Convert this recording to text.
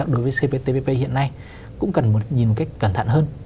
đối với cptpp hiện nay cũng cần nhìn một cách cẩn thận hơn